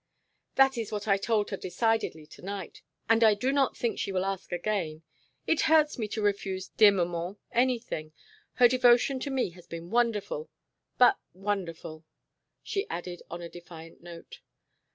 "That is what I told her decidedly to night, and I do not think she will ask again. It hurts me to refuse dear maman anything. Her devotion to me has been wonderful but wonderful," she added on a defiant note.